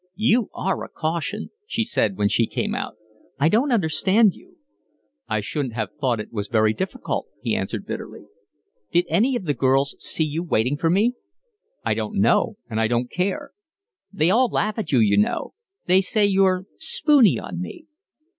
"You are a caution," she said, when she came out. "I don't understand you." "I shouldn't have thought it was very difficult," he answered bitterly. "Did any of the girls see you waiting for me?" "I don't know and I don't care." "They all laugh at you, you know. They say you're spoony on me."